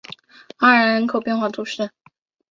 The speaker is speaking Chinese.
阿然人口变化图示